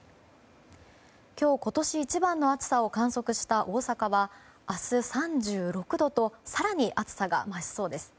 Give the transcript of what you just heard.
今日、今年一番の暑さを観測した大阪は明日３６度と更に暑さが増しそうです。